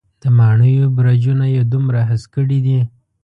د ماڼېیو برجونه یې دومره هسک کړي دی.